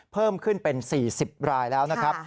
เพิ่มขึ้นเป็น๔๐รายแล้วนะครับ